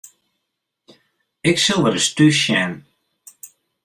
Ik sil wer ris thús sjen.